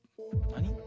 何？